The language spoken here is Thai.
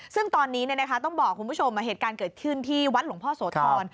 ซึ่งตอนนี้ต้องบอกคุณผู้ชมเหตุการณ์เกิดขึ้นที่วัดหลวงพ่อโสธร